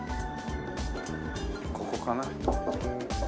ここかな？